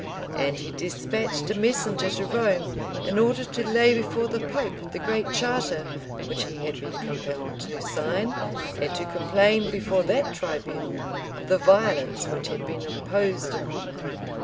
And he despatched a messenger to Rome, in order to lay before the pope the Great Charter, which he had been compelled to sign, and to complain, before that tribunal, of the violence which had been imposed upon him.